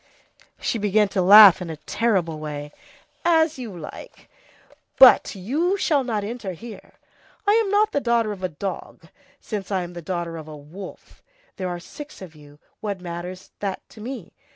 She began to laugh in a terrible way:— "As you like, but you shall not enter here. I'm not the daughter of a dog, since I'm the daughter of a wolf. There are six of you, what matters that to me?